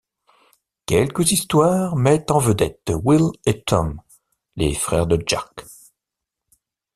Quelques histoires mettent en vedette Will et Tom, les frères de Jack.